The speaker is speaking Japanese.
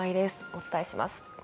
お伝えします。